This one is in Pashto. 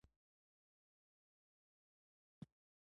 احمد د خلګو تر مخ ډېر شېرکی شېرکی کېږي.